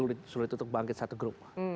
sulit untuk bangkit satu grup